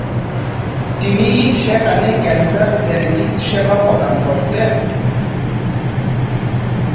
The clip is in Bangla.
তিনি সেখানে ক্যান্সার জেনেটিক্স সেবা প্রদান করতেন।